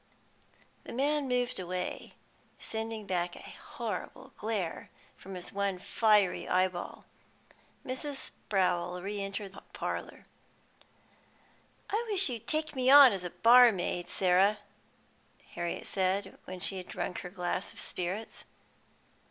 The man moved away, sending back a horrible glare from his one fiery eyeball. Mrs. Sprowl re entered the parlour. "I wish you'd take me on as barmaid, Sarah," Harriet said, when she had drunk her glass of spirits.